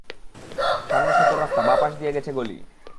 সামনে সদর রাস্তা, বাঁ পাশ দিয়ে গেছে গলি।